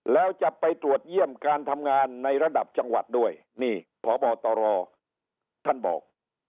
แล้วจะไปตรวจเยี่ยมการทำงานในระดับจังหวัดด้วยนี่พบตรท่านบอก